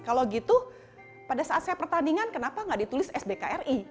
kalau gitu pada saat saya pertandingan kenapa nggak ditulis sbkri